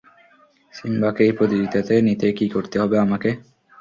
সিম্বাকে এই প্রতিযোগিতাতে নিতে কী কী করতে হবে আমাকে?